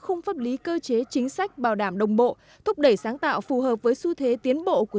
khung pháp lý cơ chế chính sách bảo đảm đồng bộ thúc đẩy sáng tạo phù hợp với xu thế tiến bộ của